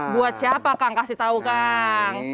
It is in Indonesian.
buat siapa kang kasih tahu kang